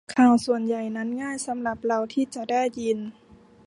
ข่าวส่วนใหญ่นั้นง่ายสำหรับเราที่จะได้ยิน